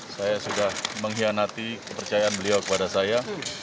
saya sudah mengkhianati kepercayaan beliau kepada saya